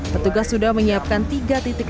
petugas sudah menyiapkan tiga titik